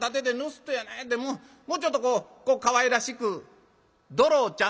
もうちょっとこうかわいらしく『どろちゃん』」。